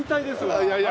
いやいや。